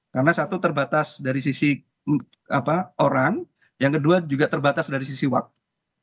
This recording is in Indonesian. karena satu terbatas dari sisi orang yang kedua juga terbatas dari sisi waktu